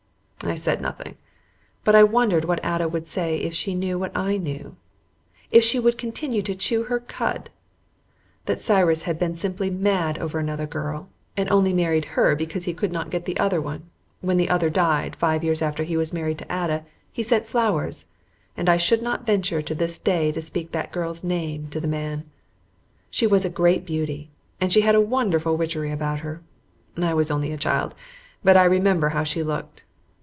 I said nothing, but I wondered what Ada would say if she knew what I knew, if she would continue to chew her cud, that Cyrus had been simply mad over another girl, and only married her because he could not get the other one, and when the other died, five years after he was married to Ada, he sent flowers, and I should not to this day venture to speak that girl's name to the man. She was a great beauty, and she had a wonderful witchery about her. I was only a child, but I remember how she looked.